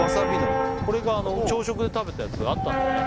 これがあの朝食で食べたやつがあったんだよね